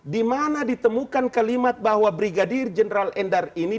dimana ditemukan kalimat bahwa brigadir general endar ini